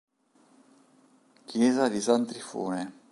Chiesa di San Trifone